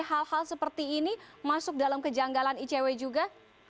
hal hal seperti ini masuk dalam kejanggalan icw juga